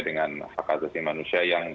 dengan hak asasi manusia yang